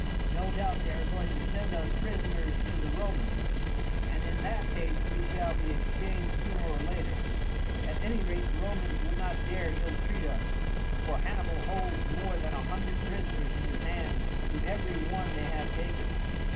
No doubt they are going to send us prisoners to the Romans, and in that case we shall be exchanged sooner or later. At any rate the Romans would not dare ill treat us, for Hannibal holds more than a hundred prisoners in his hands to every one they have taken."